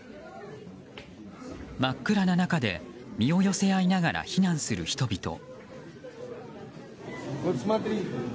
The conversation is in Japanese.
真っ暗な中で身を寄せ合いながら避難する人々。